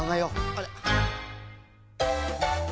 あれ。